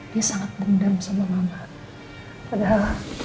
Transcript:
dia sangat dendam sama mama